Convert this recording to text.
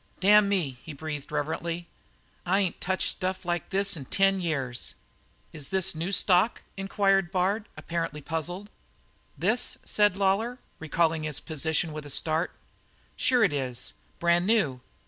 "Damn me!" he breathed reverently. "I ain't touched stuff like this in ten years." "Is this a new stock?" inquired Bard, apparently puzzled. "This?" said Lawlor, recalling his position with a start. "Sure it is; brand new.